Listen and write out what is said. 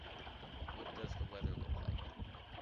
What does the weather look like?